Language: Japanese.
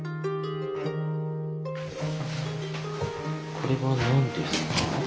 これは何ですか？